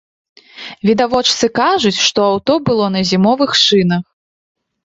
Відавочцы кажуць, што аўто было на зімовых шынах.